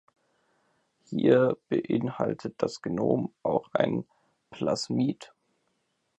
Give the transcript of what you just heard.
Hier beinhaltet das Genom auch ein Plasmid.